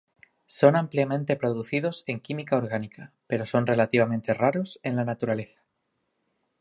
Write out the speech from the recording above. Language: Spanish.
Son ampliamente producidos en química orgánica, pero son relativamente raros en la naturaleza.